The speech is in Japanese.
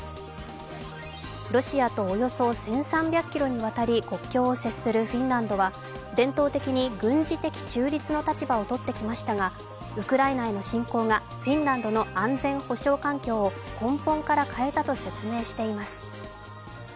ロシアとおよそ１３００ｋｍにわたり国境を接するフィンランドとは伝統的に軍事的中立の立場をとってきましたがウクライナへの侵攻がフィンランドの安全保障環境を根本から変えたと説明しています。